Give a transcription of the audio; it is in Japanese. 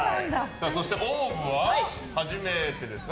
そしてＯＷＶは初めてですか？